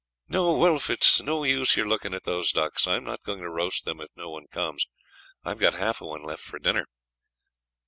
"No, Wolf, it is no use your looking at those ducks. I am not going to roast them if no one comes; I have got half a one left from dinner."